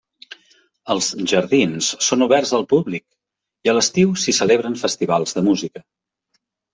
Els jardins són oberts al públic i a l'estiu s'hi celebren festivals de música.